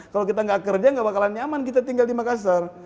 kalau kita nggak kerja nggak bakalan nyaman kita tinggal di makassar